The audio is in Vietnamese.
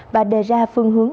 và đề ra phương hướng